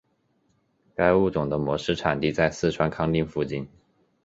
该物种的模式产地在四川康定附近。